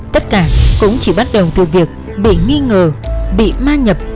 tất cả cũng chỉ bắt đầu từ việc bị nghi ngờ bị ma nhập